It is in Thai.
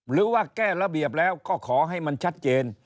หรือว่าแก้ระเบียบแล้วก็ขอให้มันชัดเจน